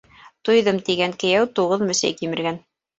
«Туйҙым» тигән кейәү туғыҙ мөсәй кимергән.